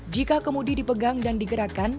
jika kemudian dipegang dan digerakkan